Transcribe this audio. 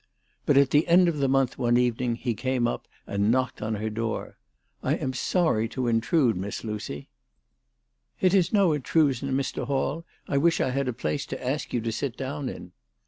But at the end of the month one evening he came up and knocked at her door. "I am sorry to intrude, Miss Lucy." THE TELEGRAPH GIRL. 301 " It is no intrusion, Mr. Hall. I wish I had a place to ask you to sit down in."